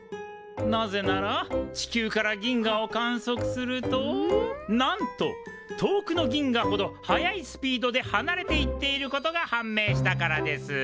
なぜなら地球から銀河を観測するとなんと遠くの銀河ほど速いスピードではなれていっていることが判明したからです。